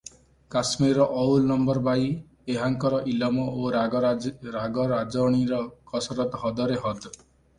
କାଶ୍ମୀରର ଅଉଲ ନମ୍ବର ବାଈ -ଏହାଙ୍କର ଇଲମ ଓ ରାଗରାଜଣୀର କସରତ୍ ହଦରେ ହଦ୍ ।